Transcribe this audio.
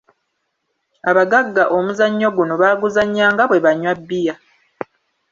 Abagagga omuzanyo guno baaguzanyanga bwe banywa bbiya.